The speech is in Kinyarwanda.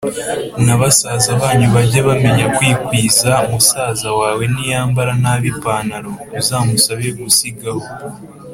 na basaza banyu bage bamenya kwikwiza musaza wawe niyambara nabi ipantaro, uzamusabe gusigaho!